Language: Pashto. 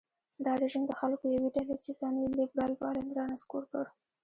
دا رژیم د خلکو یوې ډلې چې ځان یې لېبرال باله رانسکور کړ.